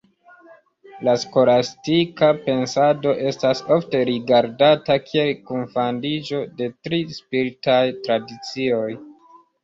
La skolastika pensado estas ofte rigardata kiel kunfandiĝo de tri spiritaj tradicioj.